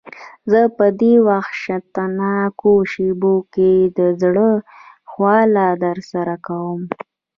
زه په دې وحشتناکو شېبو کې د زړه خواله درسره کوم.